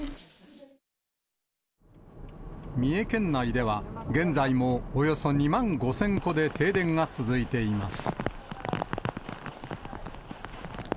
三重県内では、現在もおよそ２万５０００戸で停電が続いています。